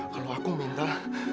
kalau aku minta